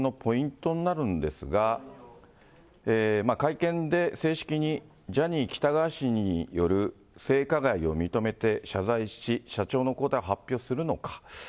きょうの会見のポイントになるんですが、会見で正式にジャニー喜多川氏による性加害を認めて謝罪し、社長の交代を発表するのか。